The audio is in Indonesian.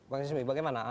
pak ismi bagaimana